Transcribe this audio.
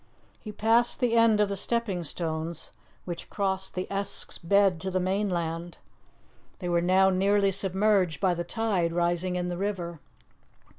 He passed the end of the stepping stones which crossed the Esk's bed to the mainland; they were now nearly submerged by the tide rising in the river.